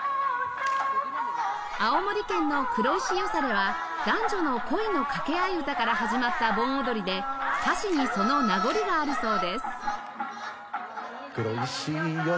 青森県の『黒石よされ』は男女の恋の掛け合い唄から始まった盆踊りで歌詞にその名残があるそうです